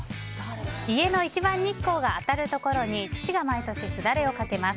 家の一番日光が当たるところに父が毎年、すだれをかけます。